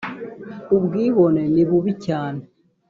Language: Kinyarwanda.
ubwibone nibubi cyane